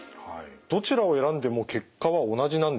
どちらを選んでも結果は同じなんでしょうか？